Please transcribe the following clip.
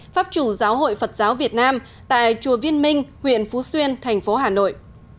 pháp chủ giáo hội phật giáo việt nam tại chùa viên minh huyện phú xuyên thành phố hà nội